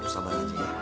sabar aja ya